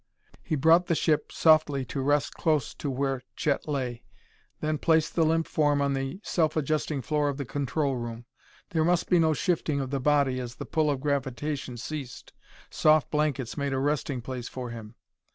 He brought the ship softly to rest close to where Chet lay, then placed the limp form on the self adjusting floor of the control room. There must be no shifting of the body as the pull of gravitation ceased. Soft blankets made a resting place for him.